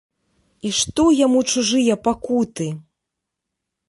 І што яму чужыя пакуты?!